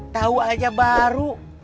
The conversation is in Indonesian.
tau aja baru